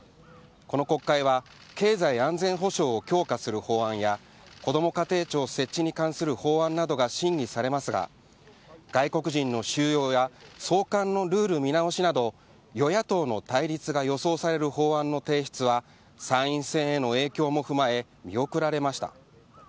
この国会は、経済安全保障を強化する法案や、こども家庭庁設置に関する法案などが審議されますが、外国人の収容や送還のルール見直しなど、与野党の対立が予想される法案の提出は、参院選への影響も踏まえ、見送られました。